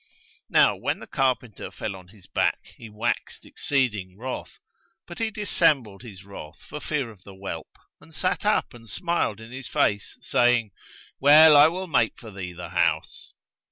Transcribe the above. Now when the carpenter fell on his back, he waxed exceeding wroth; but he dissembled his wrath for fear of the whelp and sat up and smiled in his face, saying, 'Well, I will make for thee the house.'